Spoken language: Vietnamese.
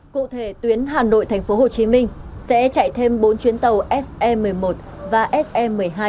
cụ thể tuyến hà nội tp hcm sẽ chạy thêm bốn chuyến tàu se một mươi một và se một mươi hai